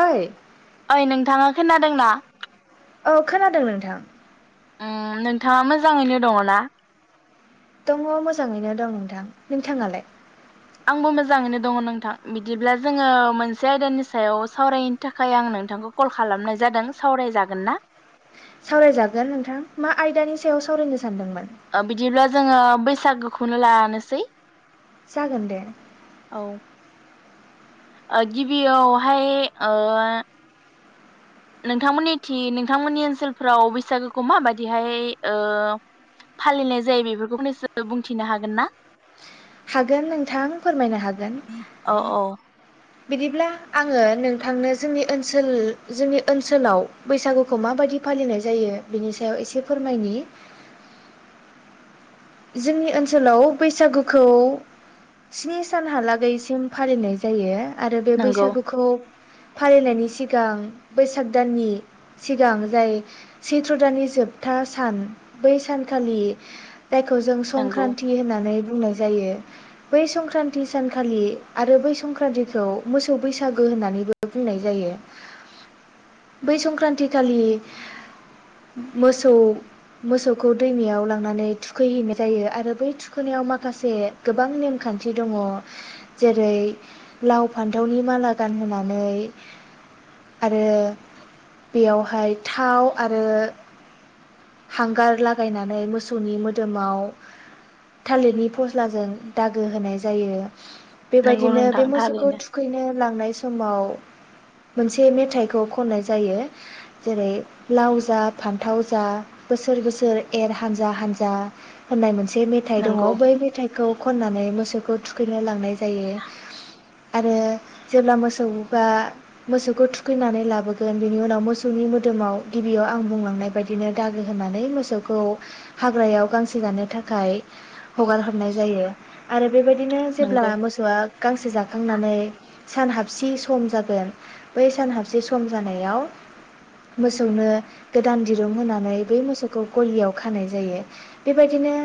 ओइ ओइ नोंथाङा खोनादोंना? औ खोनादों नोंथां ओ नोंथाङा मोजाङैनो दङ ना? दङ मोजाङैनो दं नोंथां नोंथाङालाय? आंबो मोजाङैनो दङ नोंथां बिदिब्ला जोङो मोनसे आयदानि सायाव सावरायनो थाखाय आं नोंथांखौ कल खालामनाय जादों सावरायजागोन ना? सावरायजागोन नोंथां मा आयदानि सायाव सावरायनो सानदोंमोन? ओ बिदिब्ला जोङो बैसागोखौनो लानोसै जागोन दे। औ ओ गिबियावहाय ओ नोंथांमोननिथिं नोंथांमोननि ओनसोलफ्राव बैसागोखौ माबादिहाय ओ फालिनाय जायो बेफोरखौ नों एसे बुंथिनो हागोन ना? हागोन नोंथां फोरमायनो हागोन। औ औ बिदिब्ला आङो नोंथांनो जोंनि ओनसोल जोंनि ओनसोलाव बैसागुखौ माबायदि फालिनाय जायो बिनि सायाव एसे फोरमायनि। जोंनि ओनसोलाव बैसागुखौ स्नि सानहालागैसिम फालिनाय जायो। आरो बे नंगौ बैसागुखौ फालिनायनि सिगां बैसाग दाननि सिगां जाय सैथ्र' दाननि जोबथा सान बै सानखालि जायखौ जों नंगौ संक्रान्ति होननानै बुंनाय जायो बै संक्रान्ति सानखालि आरो बै संक्रान्तिखौ मोसौ बैसागो होननानैबो बुंनाय जायो बै संक्रान्ति खालि मोसौ मोसौखौ दैमायाव लांनानै थुखैहैनाय जायो आरो बै थुखैनायाव माखासे गोबां नेमखान्थि दङ जेरै लाव फान्थावनि माला गानहोनानै आरो बेयावहाय थाव आरो हांगार लागायनानै मोसौनि मोदोमाव थालिरनि फस्लाजों दागो होनाय जायो। नंगौ बेबायदिनो नोंथां बे मोसौखौ थारैनो थुखैनो लांनाय समाव मोनसे मेथाइखौ खननाय जायो जेरै लाव जा फान्थाव जा बोसोर बोसोर एर हानजा हानजा होनाय मोन मोनसे मेथाइ दङ नंगौ बै मेथाइखौ खननानै मोसौखौ थुखैनो लांनाय जायो आरो जेब्ला मोसौआ मोसौखौ थुखैनानै लाबोगोन बेनि उनाव मोसौनि मोदोमाव गिबियाव आं बांलांनाय बायदिनो दागो होनानै मोसौखौ हाग्रायाव गांसो जानो थाखाय हगार हरनाय जायो। आरो बेबायदिनो जेब्ला नंगौ मोसौआ गांसो जाखांनानै सानहाबसि सम जागोन बै सान हाबसि सम जानायाव मोसौनो गोदान दिरुं होनानै बै मोसौखौ गलियाव खानाय जायो। बेबायदिनो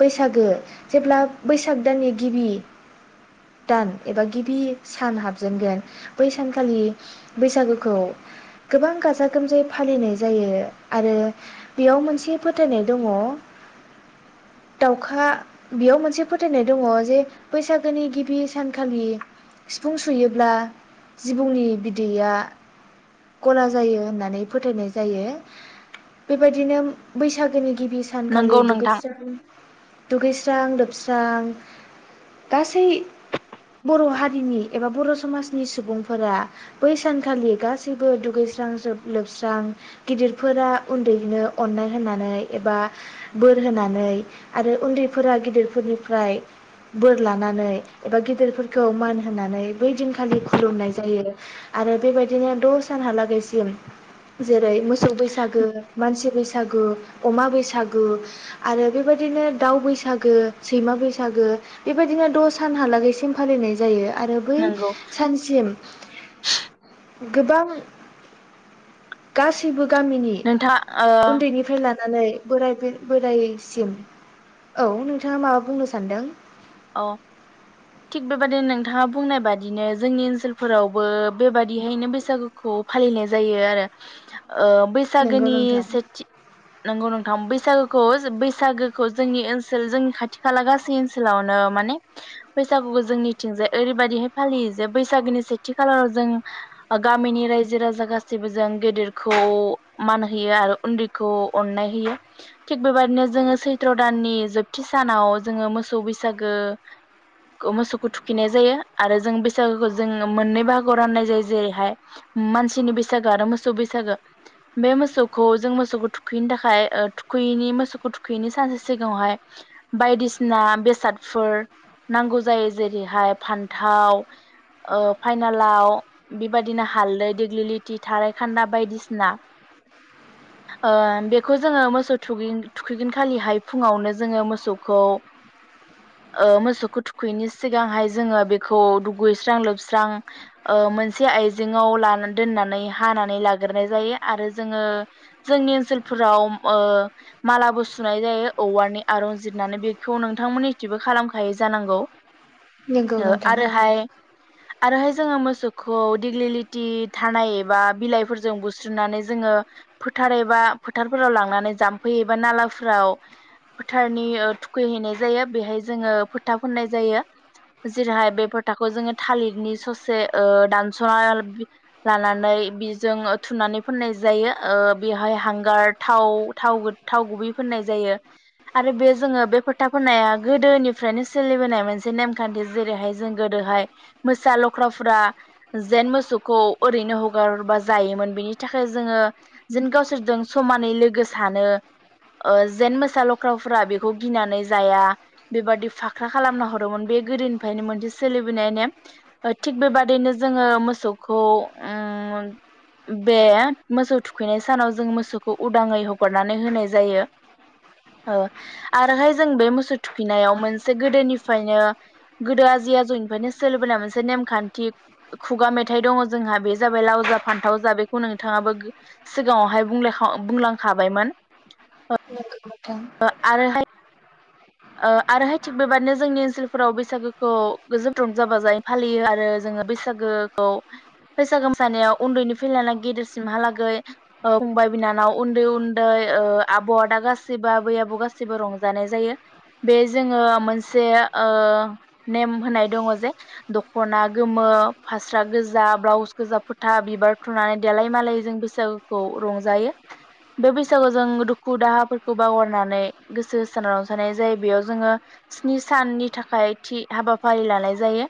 बैसागो जेब्ला बैसागो दाननि गिबि दान एबा गिबि सान हाबजेनगोन बै सान खालि बैसागुखौ गोबां गाजा गोमजायै फालिनाय जायो आरो बेयाव मोनसे फोथायनाय दङ दाउखा बेयाव मोनसे फोथायनाय दङ जे बैसागुनि गिबि सानखालि सिफुं सुयोब्ला जिबौनि बिदैया गला जायो होननानै फोथायनाय जायो बेबायदिनो बैसागुनि गि बे सानखालि नंगौ दु नोंथां [inaudible] लोबस्रां लोबस्रां गासै बर' हारिनि एबा बर' समाजनि सुबुंफोरा बै सानखालि गासैबो दुगैस्रां लोबस्रां गिदिरफोरा उन्दैनो अननाय होननानै एबा बोर होनानै आरो उन्दैफोरा गिदिरफोरनिफ्राय बोर लानानै एबा गिदिरफोरखौ मान होनानै बै दिनखालि खुलुमनाय जायो आरो बेबायदिनो द' सानहालागैसिम जेरै मोसौ बैसागु, मानसि बैसागु, अमा बैसागु आरो बेबायदिनो दाउ बैसागो, सैमा बैसागो बेबायदिनो द' सानहालागैसिम फालिनाय जायो। आरो बै नंगौ सानसिम गोबां गासिबो गामिनि नोंथाङा ओ उन्दैनिफ्राय लानानै बोराइ बोरायसिम औ नोंथाङा माबा बुंनो सानदों? अ थिग बेबादिनो नोंथाङा बुंनाय बादिनो जोंनि ओनसोलफोरावबो बेबादिहायनो बैसागुखौ फालिनाय जायो आरो ओ नंगौ बैसागुनि नोंथां सेथि नंगौ नों बैसागुखौ बैसागुखौ जोंनि ओनसोल जोंनि खाथि खाला गासै ओनसोलाव नो माने बैसागुखौ जोंनिथिंजाय ओरैबायदिहाय फालियो जे बैसागोनि सेथि खालाराव जों गामिनि रायजो राजा गासैबो जों गेदेरखौ मान होयो आरो उन्दैखौ अननाय होयो थिग बेबायदिनो जोङो सैथ्र' दाननि जोबथि सानाव जोङो मोसौ बैसा गु मोसौखौ थुखैनाइ जायो आरो जोङो बैसागुखौ जों मोनै बाहागोआव राननाय जायो जेरैहाय मानसिनि बैसागो आरो मोसौ बैसागो बे मोसौखौ जों मोसौखौ थुखैनो थाखाय ओ थुखैयैनि मोसौखौ थुखैयैनि सानसे सिगाङावहाय बायदिसिना बे सादफोर नांगौ जायो जेरैहाय फान्थाव ओ फाइनालाव बेबायदिनो हालदै देग्लिलिथि थाराय खान्दा बायदिसिना ओ बेखौ जोङो मोसौ थुगै थुखैगोन खालिहाय फुङावनो जोङो मोसौखौ ओ मोसौखौ थुखैयैनि सिगांहाय जोङो बेखौ दुगैस्रां लोबस्रां ओ मोनसे आइजेंआव लाना दोननानै हानानै लाग्रोनाय जायो आरो जोङो जोंनि ओनसोलफोराव ओ मालाबो सुनाय जायो औवानि आरनजिरनानै बेखौ नोंथांमोननि थिंबो खालामखायो जानांगौ। नंगौ नोंथां आरोहाय आरोहाय जोङो मोसौखौ दिग्लिलिथि थानाय एबा बिलाइफोरजों बुस्रिनानै जोङो फोथार एबा फोथारफोराव लांनानै जाम्फै एबा नालाफोराव फोथारनि थुखैहैनाय जायो बेहाय जोङो फोथा फुननाय जायो जेरैहाय बे फोथाखौ जोङो थालिरनि ससे ओ दानस'ना लानानै बेजों थुनानै फोननाय जायो ओ बेवहाय हांगार थाव थाव थाव गुबै फुननाय जायो आरो बे जोङो बे फोथा फोननाया गोदोनिफ्रायनो सोलिबोनाय मोनसे नेमखान्थि जेरैहाय जों गोदोहाय मोसा लख्राफ्रा जेेन मोसौखौ ओरैनो हगार हरबा जायोमोन बिनि थाखाय जोङो जेन गावसोरजों समानै लोगो सानो अ जेेन मोसा लख्राफ्रा बेखौ गिनानै जाया बेबादि फाख्रा खालामना हरोमोन बे गोदोनिफ्रायनो मोनसे सोलिबोनाय नेम थिग बेबादिनो जोङो मोसौखौ उम बे मोसौ थुखैनाय सानाव जों मोसौखौ उदाङै हगारनानै होनाय जायो आरोहाय जों बे मोसौ थुखैनायाव मोनसे गोदोनिफ्रायनो गोदो आजै आजौनिफ्रायनो सोलिबोनाय मोनसे नेमखान्थि खुगा मेथाइ दङ जोंहा बे जाबाय लाव जा फान्थाव जा बेखौ नोंथाङाबो सिगाङावहाय बुंलायखा-बुंलांखाबायमोन नंगौ नोंथां आरोहाय ओ आरोहाय थिग बेबादिनो जोंनि ओनसोलफोराव बैसागोखौ [unintelligible] रंजा बाजायै फालियो आरो जोङो बैसागोखौ बैसागो मोसानायाव उन्दैनिफाय लानानै गेदेरसिमहालागै ओ फंबाय बिनानाव उन्दै उन्दै ओ आब' आदा गासैखौबो आबै आबौ गासैबो रंजानाय जायो। बे जोङो मोनसे ओ नेम होनाय दङ जे दखना गोमो फास्रा गोजा ब्लाउस गोजा फोथा बिबार थुनानै देलाय मालाय जों बैसागोखौ रंजायो बे बैसागु जों दुखु दाहाफोरखौ बावहारनानै गोसो होसारना रं जानाय जायो बेयाव जोङो स्नि साननि थाखाय थि हाबाफारि लानाय जायो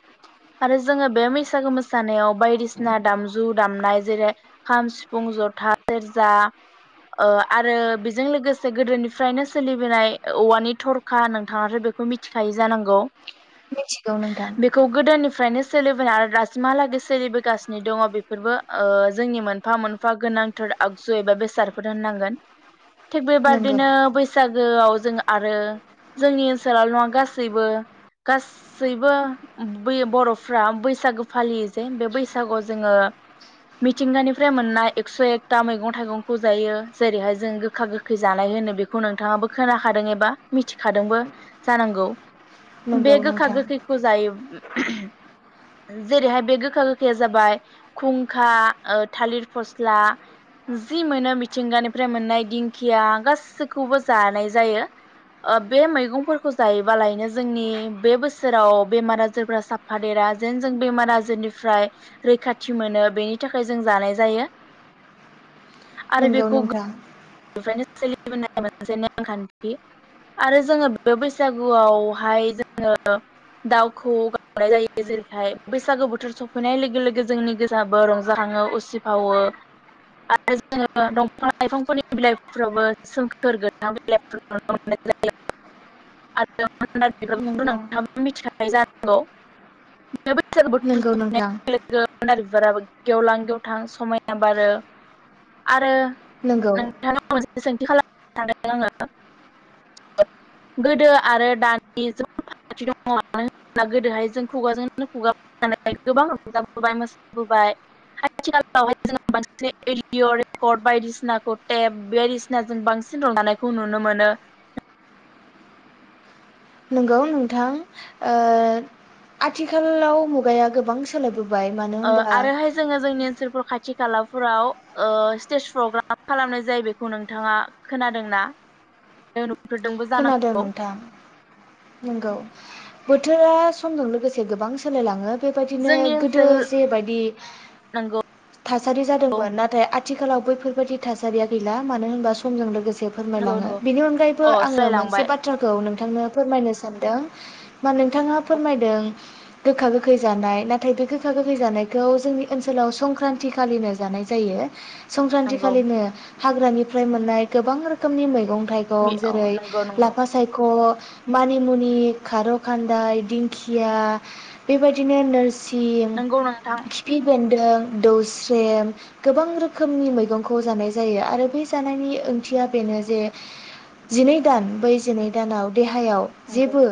आरो जोङो बे बैसागु मोसानायाव बायदिसिना दामजु दामनाय जेरै खाम, सिफुं, जथा, सेरजा ओ आरो बेजों लोगोसे गोदोनिफ्रायनो सोलिबोनाय औवानि थरखा नोंथाङाथ' बेखौ मिथिखायो जानांगौ मिथिगौ नोंथां बेखौ गोदोनि फ्रायनो सोलिबोनाय आरो दासिमहालागै सोलिबोगासिनो दङ बेफोरबो ओ जोंनि मोनफा मोनफा गोनांथार आगजु एबा बेसादफोर होननांगोन। थिग नंगौ बेबादिनो बैसाग गोआव जों आरो जोंनि ओनसोलाव नङा गासैबो गासैबो बै बर'फ्रा बैसागो फालियो जे बे बैसागोआव जोङो मिथिंगानिफ्राय मोननाय एकस' एकथा मैगं थाइगंखौ जायो जेरैहाय जों गोखा गोखै जानाय होनो बेखौ नोंथाङाबो खोनाखादों एबा मिथिखादोंबो जानांगौ नंगौ बे गोखा नोंथां गोखैखौ जायोब्ला जेरैहाय बे गोखा गोखाया जाबाय खुंखा थालिर फस्ला जि मोनो मिथिंगानिफ्राय मोननाय दिंखिया गासैखौबो जानाय जायो। बे मैगंफोरखौ जायोबालायनो जोंनि बे बोसोराव बेमार आजारफ्रा साफा देरा जेन जों बेमार आजारनिफ्राय रैखाथि मोनो बेनि थाखाय जों जानाय जायो। नंगौ नोंथां नो सोलिबोनाय मोनसे नेमखान्थि आरो जोङो बे बैसागुआवहाय जोङो दाउ खौवौ गाबनाय जायो जेरैहाय बैसागु बोथोर सफैनाय लोगो लोगो जोंनि गोसोआबो रंजाखाङो उसिफावो आरो जोङो दंफां लाइफांफोरनि बिलाइफोरावबो सोमखोर गोनां बिलाइफोराव [unintelligible] आरो [unintelligible] नाय नंगौ जानांगौ नंगौ नोंथां [unintelligible] बिार गेवलां गेवथां समायना बारो आरो नों नोंथाङा [unintelligible] सोंथि खालामनो सान आङो गोदो आरो दानि जोबोद फारागथि दङ मानो होनला गोदोहाय जों खुगाजों खुगा गोबां रंजाबोबाय मोसाबोबाय आथिखालावहाय जोङो मोनसे अडिअ' रेकर्ड बायदिसिना खौटेब बे बायदिसिना जों बांसिन रंजानायखौ नुनो मोनो नंगौ नोंथां आथिखालाव मुगाया गोबां सोलायबो अ आरोहाय जोङो जोंनि ओनसोलफोरखौ खाथि खालाफोराव स्टेज प्रग्राम खालामनाय जायो बेखौ नोंथाङा खोनादोंना नुफेरदोंबो खोनादों जानांगौ नोंथां नंगौ बोथोरा समजों लोगोसे गोबां सोलायलाङो बेबायदिनो जोंनि गोदो ओनसोल जेबायदि नंगौ थासारि जादोंमोन नाथाय आ थिखालाव बैफोरबायाददि थासारिया गैला मानो होनबा समजों लोगोसे एसे नंगौ फोरमायलाङो नंगौ बिनि अनगायैबो अ आङ मोनसे सोलायलांबाय बाथ्राखौ नोंथांनो फोरमायनो सानदों मा नोंथाङा फोरमायदों गोखा गोखै जानाय नाथाय बे गोखा गोखै जानायखौ जोंनि ओनसोलाव संक्रान्ति खालिनो जानाय जायो संक्रान्ति नंगौ खालिनो हाग्रानिफ्राय मोननाय गोबां रोखोमनि मैगं मि थायगं अ जेरै नंगौ नंगौ लाफा सायख' मानिमुनि खार' खान्दाय दिंखिया बेबायदिनो नोर सि नंगौ नोंथां खिफि बेन दौस्रम गोबां रोखोमनि मैगंखौ जानाय जायो आरो बे जानायनि ओंथिया बेनो जे जिनै दान बै जिनै दानाव देहायाव नंगौ जेबो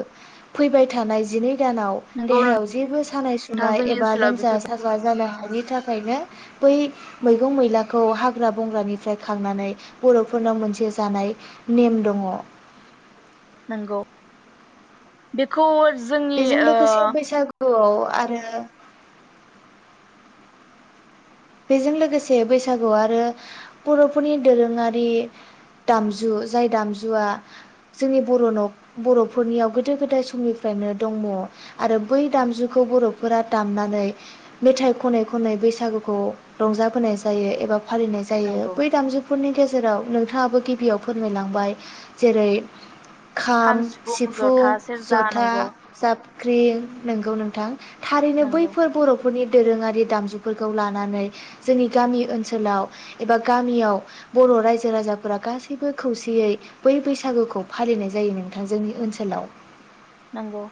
फैबाय थानाय जिनै दानाव नंगौ देहायाव जेबो सानाय नोंथां सुनाय जोंनि एबा ओनसोलाव लोमजा बेफोर साजा जानो हा बिनि थाखायनो बै मैगं-मैलाखौ हाग्रा-बंग्रानिफ्राय खांनानै बर'फोरनाव मोनसे जानाय नेम दङ। नंगौ बेखौ जोंनि बेजों ओ लोगोसे बैसागुआव आरो बेजों लोगोसे बैसागु आरो बर'फोरनि दोरोङारि दामजु जाय दामजुआ जोंनि बर' न' बर'फोरनियाव गोदो गोदाय समनिफ्रायनो दङ आरो बै दामजुखौ बर'फोरा दामनानै मेथाइ खनै खनै बैसागुखौ रंजाबोनाय जायो एबा फालिनाय जायो नंगौ बै दामजुफोरनि गेजेराव नोंथाङाबो गिबियाव फोरमायलांबाय जेरै खाम, सिफुं, जथा सेरजा जथा, नंगौ जाबख्रि नंगौ नोंथां थारैनो नंगौ बैफोर बर'फोरनि दोरोङारि दामजुफोरखौ लानानै जोंनि गामि ओनसोलाव एबा गामियाव बर' रायजो राजाफोरा गासैबो खौसेयै बै बैसागुखौ फालिनाय जायो नोंथां जोंनि ओनसोलाव नंगौ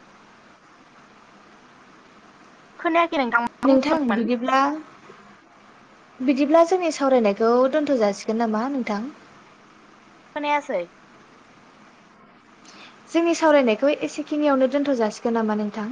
खोनाया नोंथां बिदिब्ला बिदिब्ला जोंनि सावरायनायखौ दोनथ' जासिगोन नामा नोंथां। खोनायासै जोंनि सावरायनायखौ एसेखिनियावनो दोनथ' जाासिगोन नामा नोंथां।